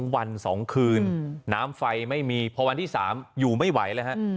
วัน๒คืนน้ำไฟไม่มีพอวันที่๓อยู่ไม่ไหวแล้วฮะ